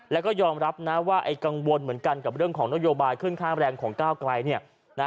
แล้วก็ยอมรับนะว่าไอ้กังวลเหมือนกันกับเรื่องของนโยบายขึ้นค่าแรงของก้าวไกล